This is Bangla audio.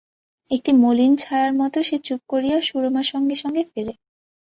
একটি মলিন ছায়ার মত সে চুপ করিয়া সুরমার সঙ্গে সঙ্গে ফেরে।